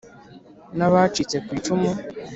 n'abacitse ku icumu